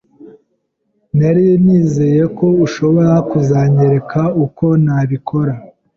Nari nizeye ko ushobora kuzanyereka uko nabikora.